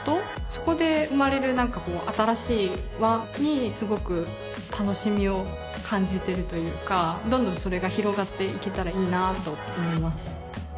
そこで生まれるなんかこう新しい輪にすごく楽しみを感じてるというかどんどんそれが広がっていけたらいいなあと思います